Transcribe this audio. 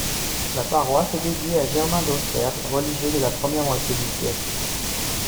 La paroisse est dédiée à Germain d'Auxerre, religieux de la première moitié du siècle.